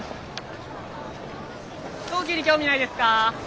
飛行機に興味ないですか？